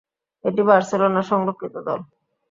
এটি বার্সেলোনার সংরক্ষিত দল।